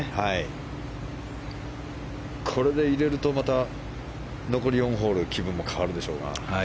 これで入れるとまた残り４ホールの気分も変わるでしょうが。